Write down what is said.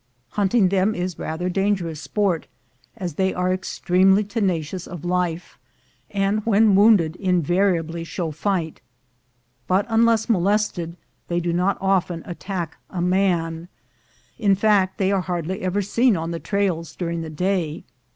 * Hunting them is rather dangerous sport, as they are extremely tenacious of life, and when wounded invari ably show fight. But unless molested they do not often attack a man; in fact, they are hardly ever seen on the trails during the day.